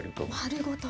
丸ごと。